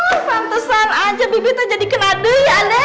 ah santusan aja bibitnya jadi kenadu ya aden